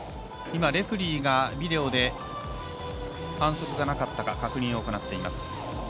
レフリーがビデオで反則がなかったか確認を行っています。